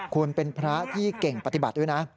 คุณเป็นพระที่เก่งปฏิบัติด้วยนะ